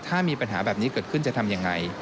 ถ้ามีปัญหาแบบนี้เกิดขึ้นจะทำยังไง